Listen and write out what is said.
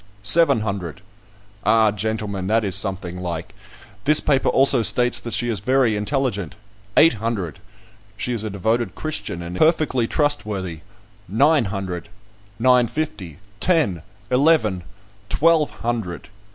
"Seven hundred." "Ah; gentlemen, that is something like. This paper also states that she is very intelligent." "Eight hundred." "She is a devoted Christian, and perfectly trustworthy." "Nine hundred." "Nine fifty." "Ten." "Eleven." "Twelve hundred."